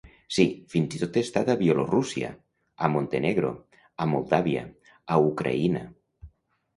Sí, fins i tot he estat a Bielorússia, a Montenegro, a Moldàvia, a Ucraïna.